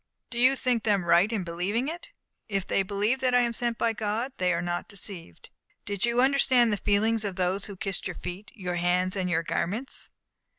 "Do you think them right in believing it?" "If they believe that I am sent by God, they are not deceived." "Did you understand the feelings of those who kissed your feet, your hands and your garments?"